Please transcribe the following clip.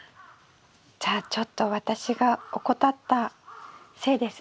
じゃあちょっと私が怠ったせいですね。